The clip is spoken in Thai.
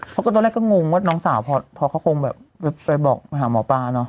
เพราะตอนแรกก็งงว่าน้องสาวพอเขาคงแบบไปบอกมาหาหมอปลาเนอะ